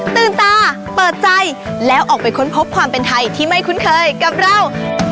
ตื่นตาเปิดใจแล้วออกไปค้นพบความเป็นไทยที่ไม่คุ้นเคยกับเรา